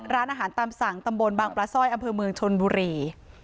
ร้านอาหารตามสั่งตำบลบางปลาสร้อยอำเภอเมืองชนบุรี